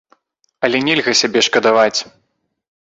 Але нельга сябе шкадаваць.